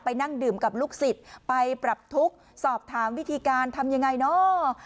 นั่งดื่มกับลูกศิษย์ไปปรับทุกข์สอบถามวิธีการทำยังไงเนอะ